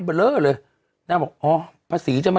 กล้วยทอด๒๐๓๐บาท